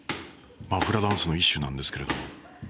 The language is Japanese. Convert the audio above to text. フラダンスの一種なんですけれど。